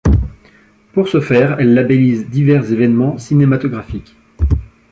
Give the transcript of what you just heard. Pour ce faire, elle labellise divers événements cinématographiques.